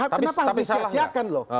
kenapa harus diselahkan loh